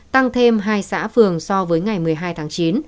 tăng thêm hai xã phường so với ngày một mươi hai tháng chín